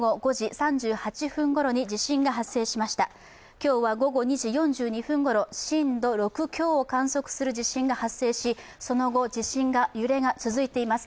今日は午後２時４２分ごろ、震度６強を観測する地震が発生しその後、揺れが続いています。